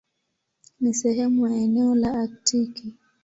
Ni sehemu ya eneo la Aktiki.